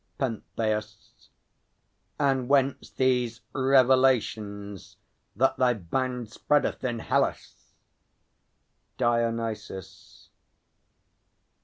PENTHEUS. And whence these revelations, that thy band Spreadeth in Hellas? DIONYSUS.